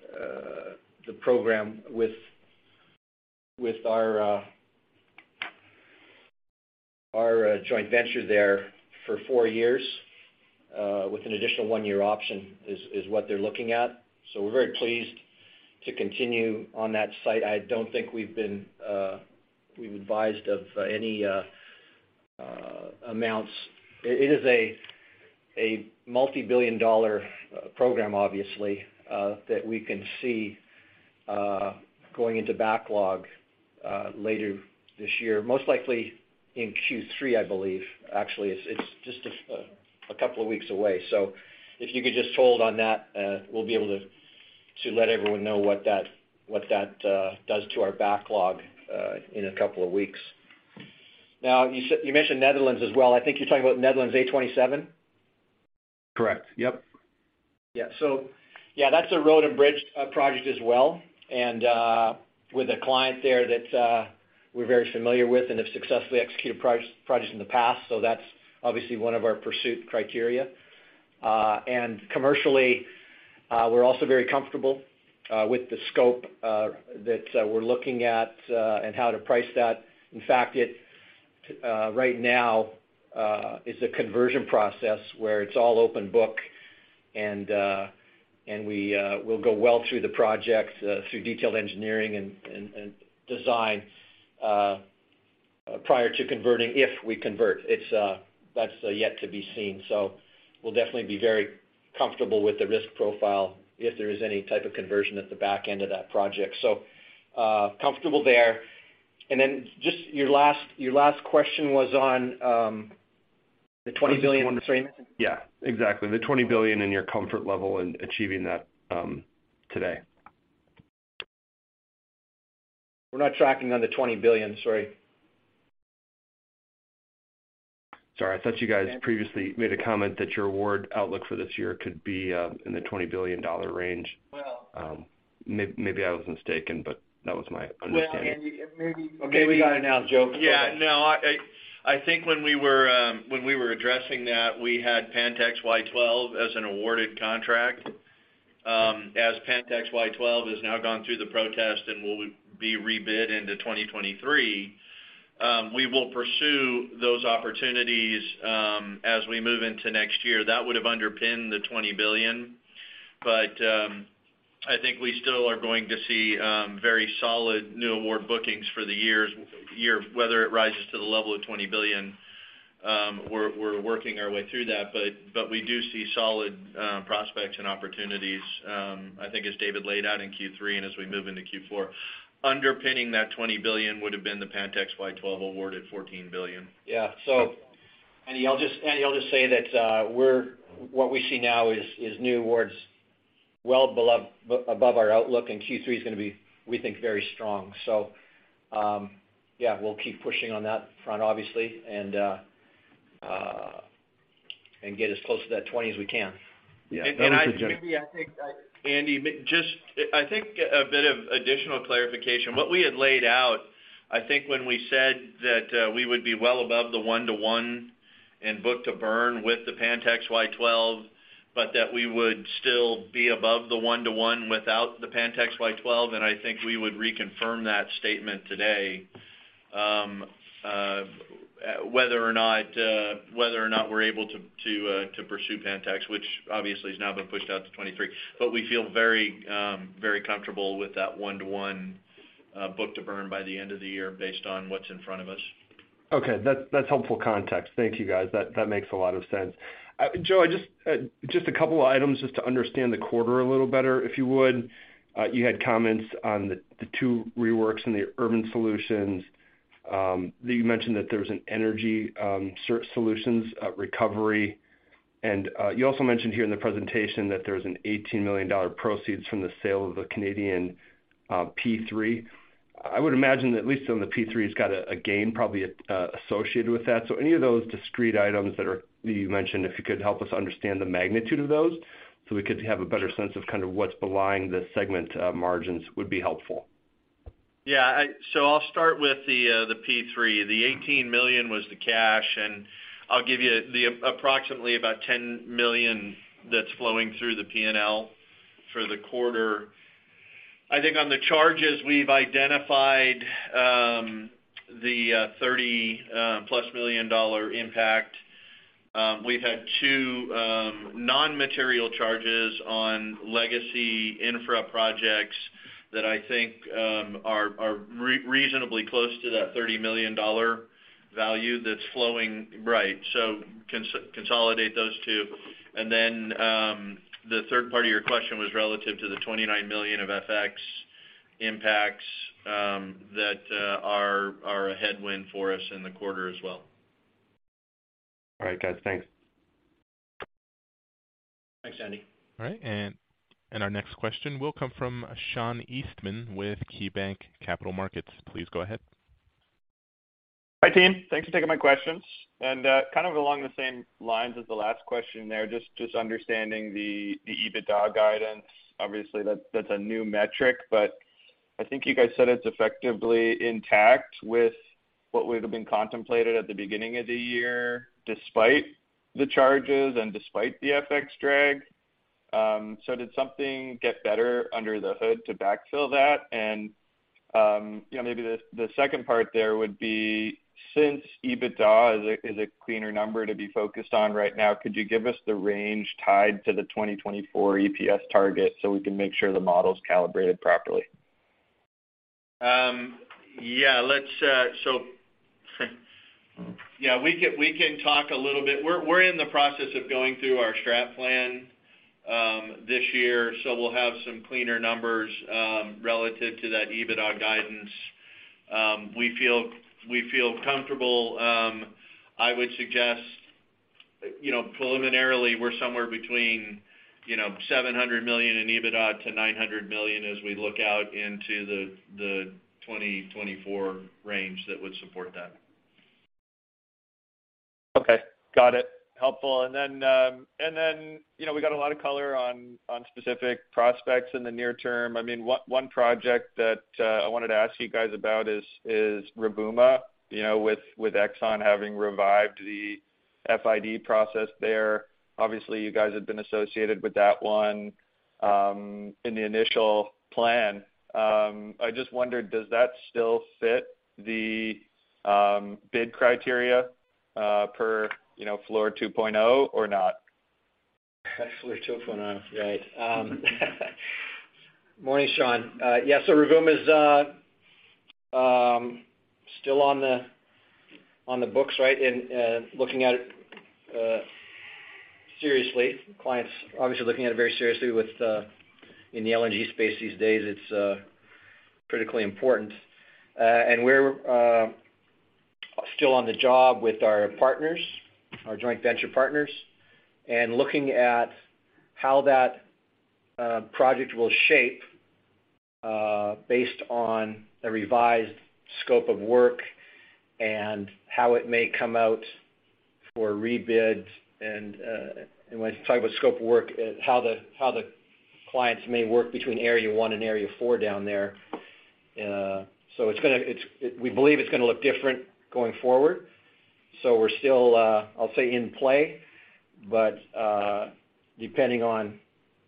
program with our joint venture there for four years with an additional one-year option is what they're looking at. We're very pleased to continue on that site. I don't think we've been advised of any amounts. It is a multi-billion-dollar program, obviously, that we can see going into backlog later this year, most likely in Q3, I believe. Actually, it's just a couple of weeks away. If you could just hold on that, we'll be able to let everyone know what that does to our backlog in a couple of weeks. Now, you mentioned Netherlands as well. I think you're talking about Netherlands A27? Correct. Yep. Yeah, that's a road and bridge project as well, with a client there that we're very familiar with and have successfully executed priced projects in the past, so that's obviously one of our pursuit criteria. Commercially, we're also very comfortable with the scope that we're looking at and how to price that. In fact, it right now is a conversion process where it's all open book, and we will go well through the project through detailed engineering and design prior to converting, if we convert. It's yet to be seen. We'll definitely be very comfortable with the risk profile if there is any type of conversion at the back end of that project. Comfortable there. Just your last question was on the $20 billion frame? Yeah, exactly. The $20 billion and your comfort level in achieving that, today? We're not tracking on the $20 billion, sorry. Sorry, I thought you guys previously made a comment that your award outlook for this year could be in the $20 billion range. Maybe I was mistaken, but that was my understanding. Well, Andy, okay, we got it now, Joe. No, I think when we were addressing that, we had Pantex Y-12 as an awarded contract. As Pantex Y-12 has now gone through the protest and will be rebid into 2023, we will pursue those opportunities as we move into next year. That would have underpinned the $20 billion. I think we still are going to see very solid new award bookings for the year, whether it rises to the level of $20 billion, we're working our way through that. We do see solid prospects and opportunities, I think as David laid out in Q3 and as we move into Q4. Underpinning that $20 billion would have been the Pantex Y-12 award at $14 billion. Andy, I'll just say that what we see now is new awards above our outlook, and Q3 is gonna be, we think, very strong. We'll keep pushing on that front obviously and get as close to that 20 as we can. Yeah. That was it, Joe. Andy, I think a bit of additional clarification. What we had laid out, I think when we said that, we would be well above the one to one in book-to-burn with the Pantex Y-12, but that we would still be above the one to one without the Pantex Y-12, and I think we would reconfirm that statement today, whether or not we're able to pursue Pantex, which obviously has now been pushed out to 2023. We feel very comfortable with that one to one book-to-burn by the end of the year based on what's in front of us. Okay. That's helpful context. Thank you, guys. That makes a lot of sense. Joe, just a couple items to understand the quarter a little better, if you would. You had comments on the two reworks in Urban Solutions that you mentioned that there was an Energy Solutions recovery. You also mentioned here in the presentation that there was $18 million proceeds from the sale of the Canadian P3. I would imagine at least on the P3's got a gain probably associated with that. Any of those discrete items that you mentioned, if you could help us understand the magnitude of those, so we could have a better sense of kind of what's underlying the segment margins would be helpful. Yeah. I'll start with the P3. The $18 million was the cash, and I'll give you the approximately about $10 million that's flowing through the P&L for the quarter. I think on the charges, we've identified the $30+ million impact. We've had two non-material charges on legacy infra projects that I think are reasonably close to that $30 million value that's flowing, right. Consolidate those two. The third part of your question was relative to the $29 million of FX impacts that are a headwind for us in the quarter as well. All right, guys. Thanks. Thanks, Andy. All right. Our next question will come from Sean Eastman with KeyBanc Capital Markets. Please go ahead. Hi, team. Thanks for taking my questions. Kind of along the same lines as the last question there, just understanding the EBITDA guidance. Obviously, that's a new metric, but I think you guys said it's effectively intact with what would have been contemplated at the beginning of the year, despite the charges and despite the FX drag. Did something get better under the hood to backfill that? You know, maybe the second part there would be, since EBITDA is a cleaner number to be focused on right now, could you give us the range tied to the 2024 EPS target so we can make sure the model's calibrated properly? Yeah, we can talk a little bit. We're in the process of going through our strat plan this year. We'll have some cleaner numbers relative to that EBITDA guidance. We feel comfortable, I would suggest, you know, preliminarily we're somewhere between, you know, $700 million in EBITDA to $900 million as we look out into the 2024 range that would support that. Okay. Got it. Helpful. You know, we got a lot of color on specific prospects in the near term. I mean, one project that I wanted to ask you guys about is Rovuma. You know, with Exxon having revived the FID process there. Obviously, you guys have been associated with that one in the initial plan. I just wondered, does that still fit the bid criteria per, you know, Fluor 2.0 or not? Fluor 2.0. Right. Morning, Sean. Yeah, so Rovuma's still on the books, right? Looking at it seriously. The client's obviously looking at it very seriously within the LNG space these days. It's critically important. We're still on the job with our partners, our joint venture partners, and looking at how that project will shape based on a revised scope of work and how it may come out for rebid. When you talk about scope of work, how the clients may work between area one and area four down there. We believe it's gonna look different going forward. We're still, I'll say, in play. Depending on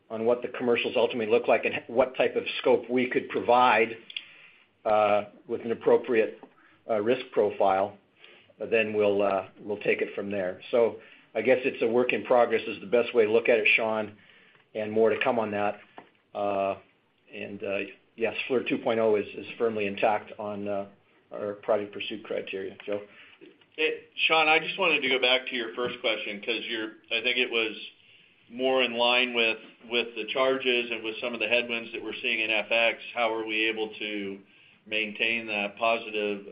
what the commercials ultimately look like and what type of scope we could provide with an appropriate risk profile, then we'll take it from there. I guess it's a work in progress is the best way to look at it, Sean, and more to come on that. Yes, Fluor 2.0 is firmly intact on our project pursuit criteria. Joe? Sean, I just wanted to go back to your first question 'cause I think it was more in line with the charges and with some of the headwinds that we're seeing in FX. How are we able to maintain that positive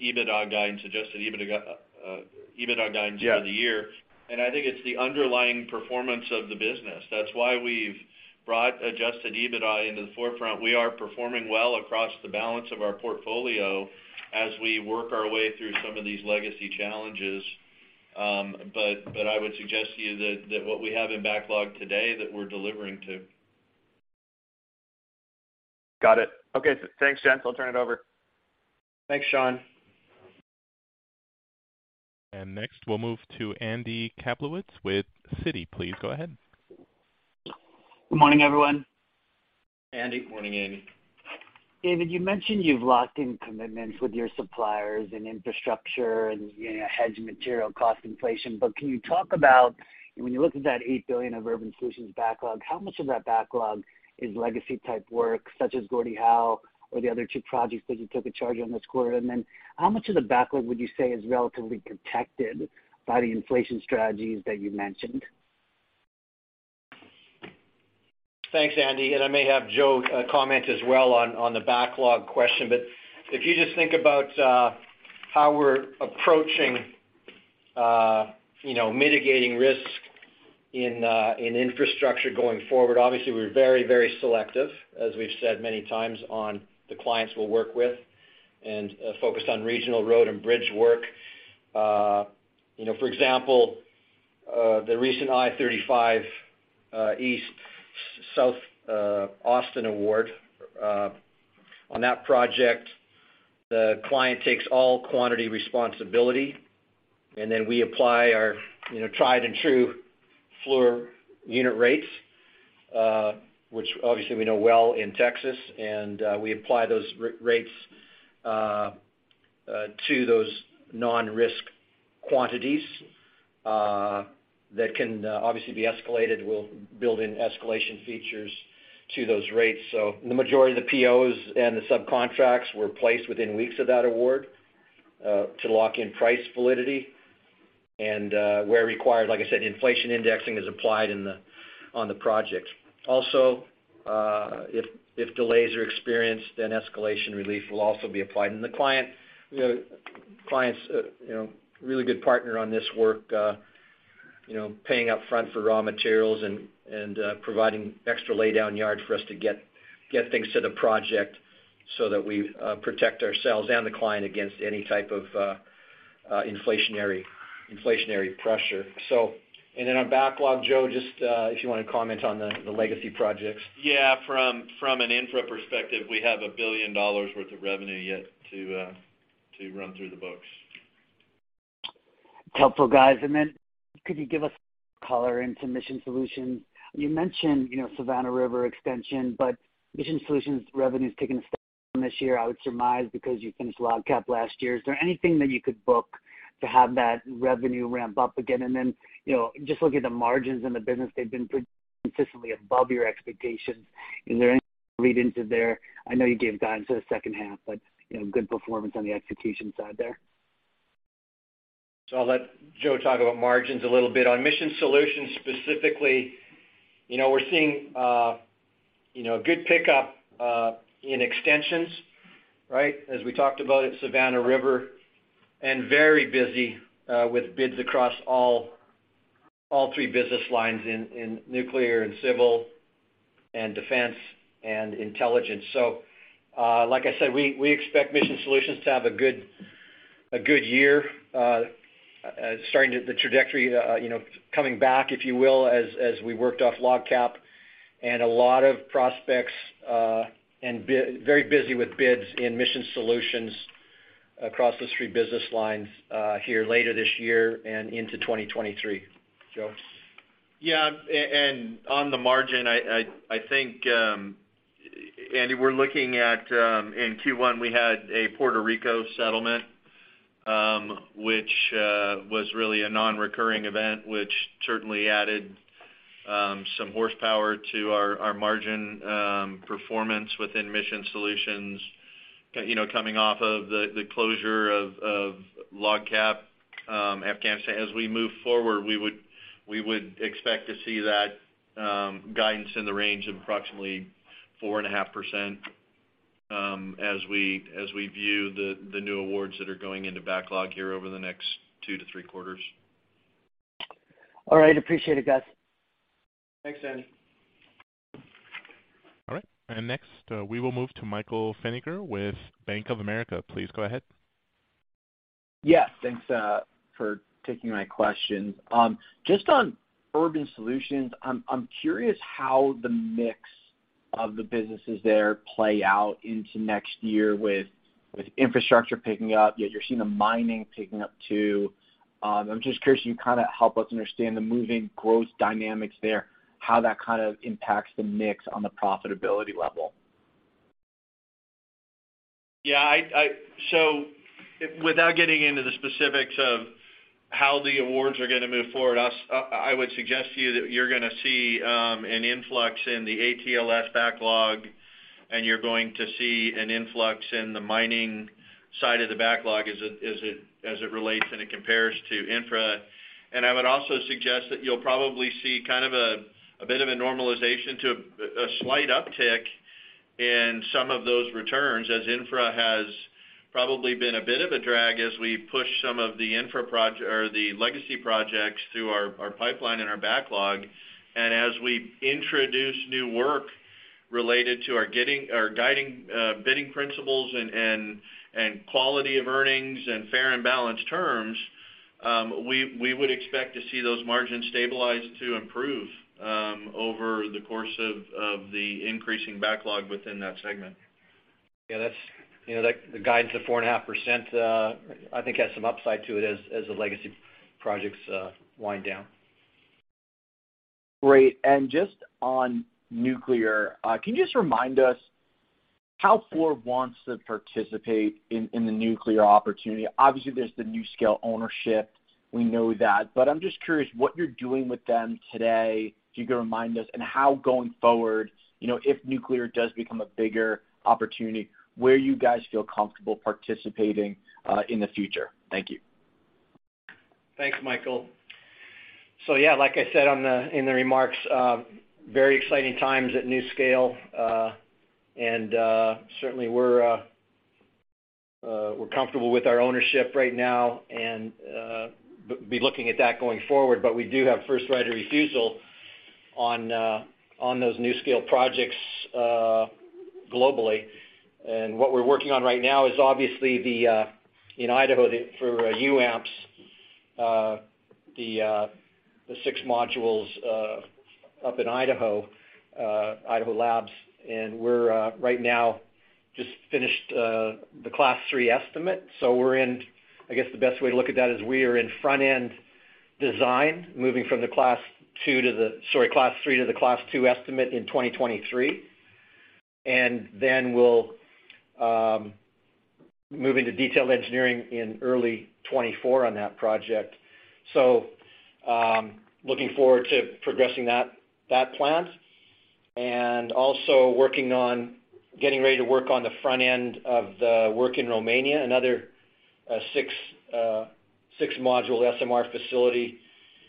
EBITDA guide, suggested EBITDA guide for the year. I think it's the underlying performance of the business. That's why we've brought adjusted EBITDA into the forefront. We are performing well across the balance of our portfolio as we work our way through some of these legacy challenges. I would suggest to you that what we have in backlog today that we're delivering to. Got it. Okay. Thanks, gents. I'll turn it over. Thanks, Sean. Next, we'll move to Andy Kaplowitz with Citi. Please go ahead. Good morning, everyone. Andy. Morning, Andy. David, you mentioned you've locked in commitments with your suppliers and infrastructure and, you know, hedged material cost inflation. Can you talk about when you look at that $8 billion of Urban Solutions backlog, how much of that backlog is legacy type work, such as Gordie Howe or the other two projects that you took a charge on this quarter? How much of the backlog would you say is relatively protected by the inflation strategies that you mentioned? Thanks, Andy. I may have Joe comment as well on the backlog question. If you just think about how we're approaching, you know, mitigating risk in infrastructure going forward, obviously, we're very selective, as we've said many times, on the clients we'll work with and focused on regional road and bridge work. You know, for example, the recent I-35 East South Austin award. On that project, the client takes all quantity responsibility, and then we apply our, you know, tried and true Fluor unit rates, which obviously we know well in Texas. We apply those rates to those non-risk quantities that can obviously be escalated. We'll build in escalation features to those rates. The majority of the POs and the subcontracts were placed within weeks of that award to lock in price validity. Where required, like I said, inflation indexing is applied on the project. Also, if delays are experienced, then escalation relief will also be applied. The client, you know, is a really good partner on this work, you know, paying upfront for raw materials and providing extra lay down yard for us to get things to the project so that we protect ourselves and the client against any type of inflationary pressure. On backlog, Joe, if you wanna comment on the legacy projects. Yeah. From an infra perspective, we have $1 billion worth of revenue yet to run through the books. Helpful, guys. Then could you give us color into Mission Solutions? You mentioned, you know, Savannah River extension, but Mission Solutions revenue's taken a step this year, I would surmise because you finished LOGCAP last year. Is there anything that you could book to have that revenue ramp up again? Then, you know, just looking at the margins in the business, they've been pretty consistently above your expectations. Is there any read into there? I know you gave guidance for the second half, but, you know, good performance on the execution side there. I'll let Joe talk about margins a little bit. On Mission Solutions, specifically, you know, we're seeing good pickup in extensions, right? As we talked about at Savannah River, and very busy with bids across all three business lines in nuclear and civil and defense and intelligence. Like I said, we expect Mission Solutions to have a good year starting on the trajectory, you know, coming back, if you will, as we worked off LOGCAP and a lot of prospects, and very busy with bids in Mission Solutions across those three business lines here later this year and into 2023. Joe? Yeah. On the margin, I think, Andy, we're looking at, in Q1, we had a Puerto Rico settlement, which was really a non-recurring event, which certainly added some horsepower to our margin performance within Mission Solutions, you know, coming off of the closure of LOGCAP, Afghanistan. As we move forward, we would expect to see that guidance in the range of approximately 4.5%, as we view the new awards that are going into backlog here over the next two to three quarters. All right. Appreciate it, guys. Thanks, Andy. All right. Next, we will move to Michael Feniger with Bank of America. Please go ahead. Yes. Thanks for taking my questions. Just on Urban Solutions, I'm curious how the mix of the businesses there play out into next year with infrastructure picking up, yet you're seeing the mining picking up too. I'm just curious, you kind of help us understand the moving growth dynamics there, how that kind of impacts the mix on the profitability level. Without getting into the specifics of how the awards are gonna move forward, I would suggest to you that you're gonna see an influx in the ATLS backlog, and you're going to see an influx in the mining side of the backlog as it relates and it compares to infra. I would also suggest that you'll probably see a bit of a normalization to a slight uptick in some of those returns as infra has probably been a bit of a drag as we push some of the infra or the legacy projects through our pipeline and our backlog. As we introduce new work related to our guiding bidding principles and quality of earnings and fair and balanced terms, we would expect to see those margins stabilize to improve over the course of the increasing backlog within that segment. Yeah. That's, you know, that the guidance of 4.5%, I think has some upside to it as the legacy projects wind down. Great. Just on nuclear, can you just remind us how Fluor wants to participate in the nuclear opportunity? Obviously, there's the NuScale ownership, we know that, but I'm just curious what you're doing with them today. If you could remind us and how going forward, you know, if nuclear does become a bigger opportunity, where you guys feel comfortable participating in the future. Thank you. Thanks, Michael. Yeah, like I said in the remarks, very exciting times at NuScale. Certainly we're comfortable with our ownership right now and be looking at that going forward. We do have first right of refusal on those NuScale projects globally. What we're working on right now is obviously in Idaho for UAMPS, the six modules up in Idaho Labs. We're right now just finished the Class Three estimate. I guess the best way to look at that is we are in front end design, moving from the Class 3 to the Class 2 estimate in 2023. Then we'll move into detailed engineering in early 2024 on that project. Looking forward to progressing that plan and also working on getting ready to work on the front end of the work in Romania, another six module SMR facility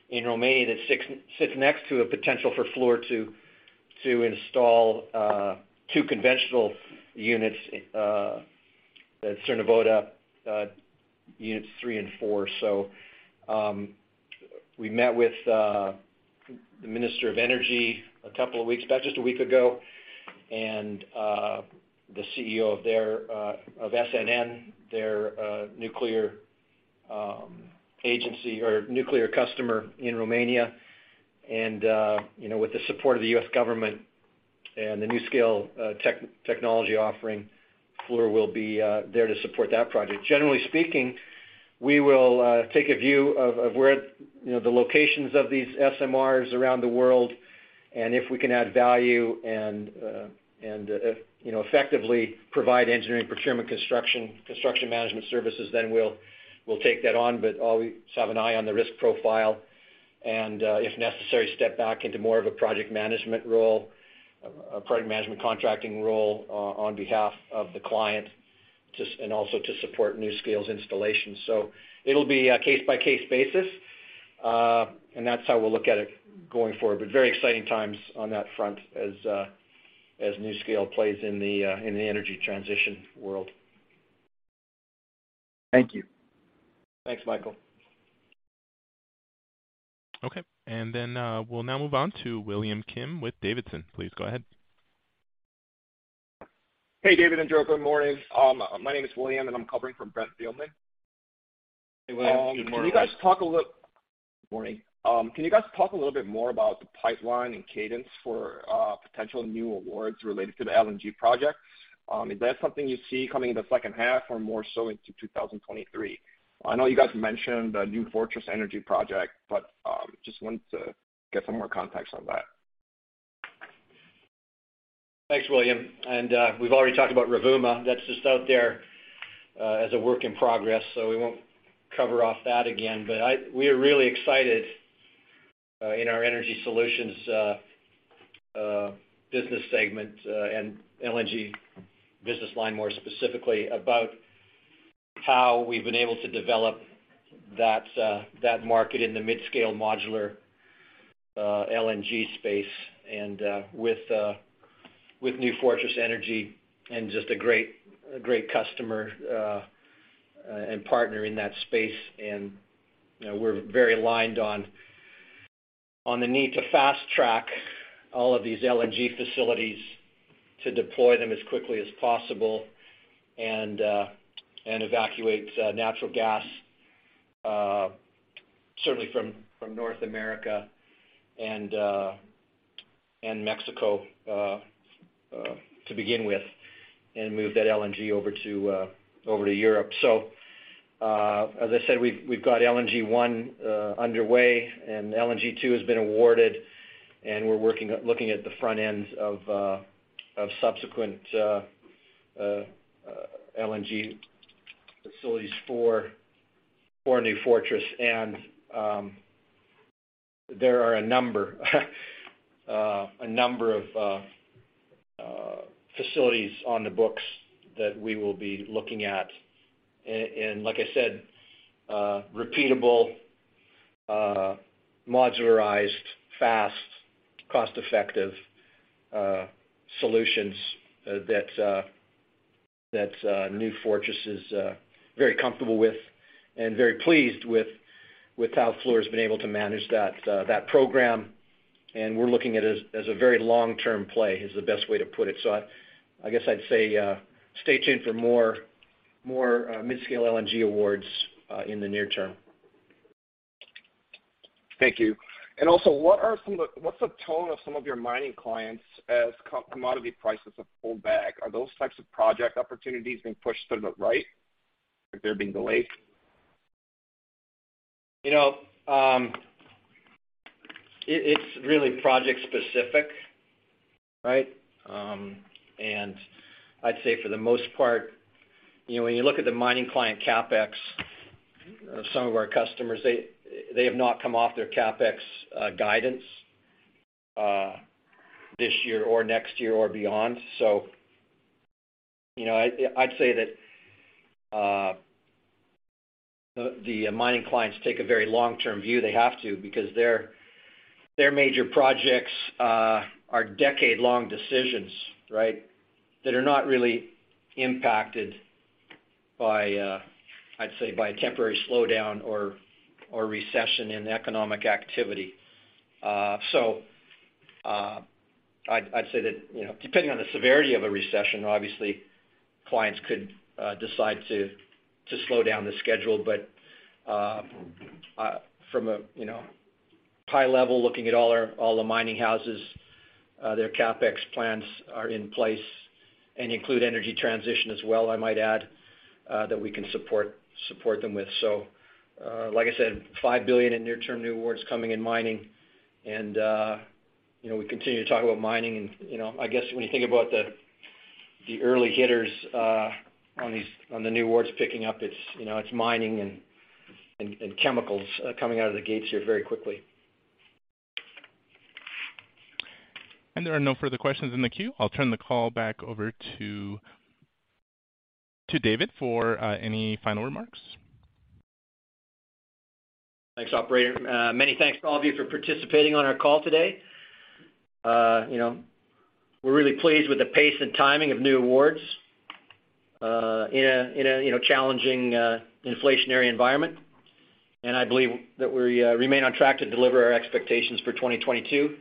in Romania that sits next to a potential for Fluor to install two conventional units at Cernavoda units 3 and 4. We met with the Minister of Energy a couple of weeks back, just a week ago, and the CEO of their SNN, their nuclear agency or nuclear customer in Romania. You know, with the support of the U.S. government and the NuScale technology offering, Fluor will be there to support that project. Generally speaking, we will take a view of where, you know, the locations of these SMRs around the world, and if we can add value and, you know, effectively provide engineering, procurement, construction management services, then we'll take that on. Always have an eye on the risk profile and if necessary, step back into more of a project management role, a project management contracting role on behalf of the client and also to support NuScale's installation. It'll be a case-by-case basis, and that's how we'll look at it going forward. Very exciting times on that front as NuScale plays in the energy transition world. Thank you. Thanks, Michael. Okay. We'll now move on to William Kim with Davidson. Please go ahead. Hey, David and Joe. Good morning. My name is William, and I'm covering for Brent Thielman. Hey, William. Good morning. Morning. Can you guys talk a little bit more about the pipeline and cadence for potential new awards related to the LNG project? Is that something you see coming in the second half or more so into 2023? I know you guys mentioned the New Fortress Energy project, but just wanted to get some more context on that. Thanks, William. We've already talked about Rovuma that's just out there as a work in progress, so we won't cover off that again. We are really excited in our Energy Solutions business segment and LNG business line more specifically about how we've been able to develop that market in the mid-scale modular LNG space and with New Fortress Energy and just a great customer and partner in that space. You know, we're very aligned on the need to fast-track all of these LNG facilities to deploy them as quickly as possible and evacuate natural gas certainly from North America and Mexico to begin with and move that LNG over to Europe. As I said, we've got LNG one underway, and LNG two has been awarded, and we're looking at the front ends of subsequent LNG facilities for New Fortress Energy. There are a number of facilities on the books that we will be looking at. Like I said, repeatable modularized fast cost-effective solutions that New Fortress Energy is very comfortable with and very pleased with how Fluor's been able to manage that program. We're looking at it as a very long-term play, is the best way to put it. I guess I'd say stay tuned for more mid-scale LNG awards in the near term. Thank you. What’s the tone of some of your mining clients as commodity prices have pulled back? Are those types of project opportunities being pushed to the right? Are they being delayed? You know, it's really project specific, right? I'd say for the most part, you know, when you look at the mining client CapEx, some of our customers, they have not come off their CapEx guidance this year or next year or beyond. You know, I'd say that the mining clients take a very long-term view. They have to because their major projects are decade-long decisions, right? That are not really impacted by, I'd say by temporary slowdown or recession in economic activity. I'd say that, you know, depending on the severity of a recession, obviously clients could decide to slow down the schedule. From a high level, looking at all the mining houses, their CapEx plans are in place and include energy transition as well, I might add, that we can support them with. Like I said, $5 billion in near-term new awards coming in mining and, you know, we continue to talk about mining and, you know, I guess when you think about the early hitters on the new awards picking up, it's, you know, it's mining and chemicals coming out of the gates here very quickly. There are no further questions in the queue. I'll turn the call back over to David for any final remarks. Thanks, operator. Many thanks to all of you for participating on our call today. You know, we're really pleased with the pace and timing of new awards in a you know, challenging inflationary environment. I believe that we remain on track to deliver our expectations for 2022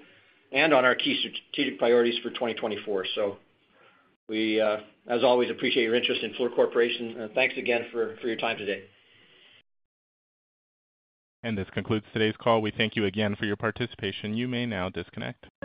and on our key strategic priorities for 2024. We, as always, appreciate your interest in Fluor Corporation. Thanks again for your time today. This concludes today's call. We thank you again for your participation. You may now disconnect.